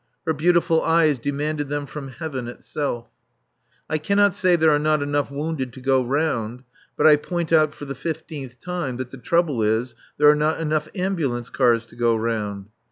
Her beautiful eyes demand them from Heaven itself. I cannot say there are not enough wounded to go round, but I point out for the fifteenth time that the trouble is there are not enough ambulance cars to go round.